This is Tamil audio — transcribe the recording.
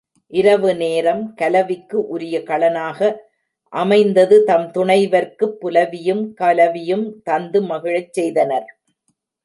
இரவு நேரம் கலவிக்கு உரிய களனாக அமைந்தது தம் துணைவர்க்குப் புலவியும் கலவியும் தந்து மகிழச் செய்தனர்.